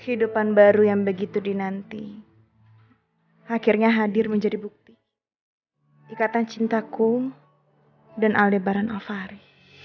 kehidupan baru yang begitu dinanti akhirnya hadir menjadi bukti ikatan cintaku dan aldebaran alfari